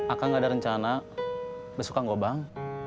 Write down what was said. akan gak ada rencana besok kang gobang